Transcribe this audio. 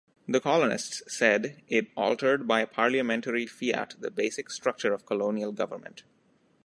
The colonists said it altered by parliamentary fiat the basic structure of colonial government.